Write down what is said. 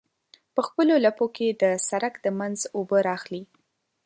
په خپلو لپو کې د سرک د منځ اوبه رااخلي.